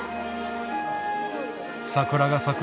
桜が咲く